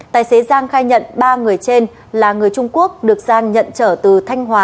tài xế giang khai nhận ba người trên là người trung quốc được giang nhận trở từ thanh hóa